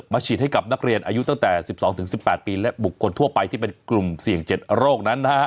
ฉีดให้กับนักเรียนอายุตั้งแต่๑๒๑๘ปีและบุคคลทั่วไปที่เป็นกลุ่มเสี่ยง๗โรคนั้นนะฮะ